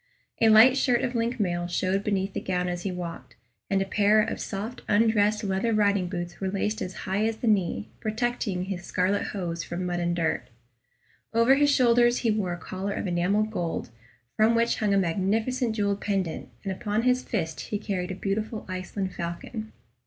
A light shirt of link mail showed beneath the gown as he walked, and a pair of soft undressed leather riding boots were laced as high as the knee, protecting his scarlet hose from mud and dirt. Over his shoulders he wore a collar of enamelled gold, from which hung a magnificent jewelled pendant, and upon his fist he carried a beautiful Iceland falcon.